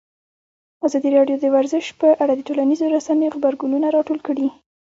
ازادي راډیو د ورزش په اړه د ټولنیزو رسنیو غبرګونونه راټول کړي.